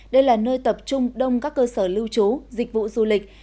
đây là nơi tập trung đông các cơ sở lưu trú dịch vụ du lịch